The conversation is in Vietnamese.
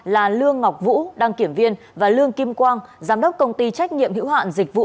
là lương ngọc vũ đăng kiểm viên và lương kim quang giám đốc công ty trách nhiệm hữu hạn dịch vụ